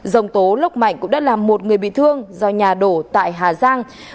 dòng tố lốc mạnh cũng đã làm một người bị thương do nhà đổ tại hà giang